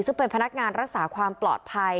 ซึ่งเป็นพนักงานรักษาความปลอดภัย